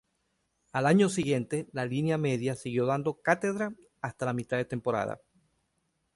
Al año siguiente la línea media siguió dando cátedra hasta mitad de temporada.